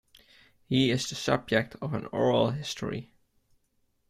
He is the subject of an oral history.